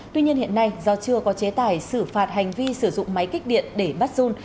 tuy nhiên hiện nay do chưa có chế tài xử phạt hành vi sử dụng máy kích điện để bắt run